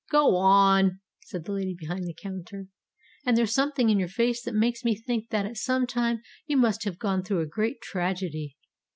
"Go on," said the lady behind the counter. "And there's something in your face that makes me think that at some time you must have gone through a great tragedy."